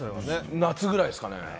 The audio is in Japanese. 夏くらいですかね。